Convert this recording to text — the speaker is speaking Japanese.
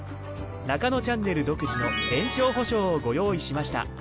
『ナカノチャンネル』独自の延長保証をご用意しました。